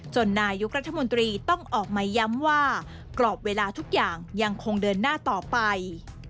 นายกรัฐมนตรีต้องออกมาย้ำว่ากรอบเวลาทุกอย่างยังคงเดินหน้าต่อไป